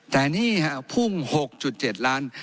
แต่นี่ฮะพุ่ง๖๗ล้าน